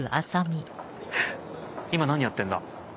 今何やってんだ？